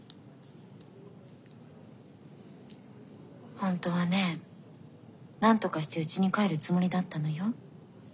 本当はねなんとかしてうちに帰るつもりだったのよ。